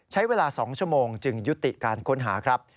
ใช้เวลา๒ชั่วโมงจึงยุติการค้นหาครับ